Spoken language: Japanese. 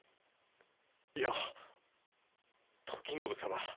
いや時信様